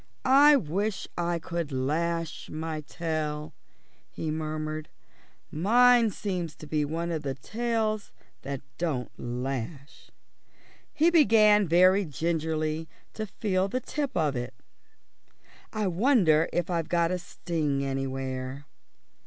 "I wish I could lash my tail," he murmured; "mine seems to be one of the tails that don't lash." He began very gingerly to feel the tip of it. "I wonder if I've got a sting anywhere."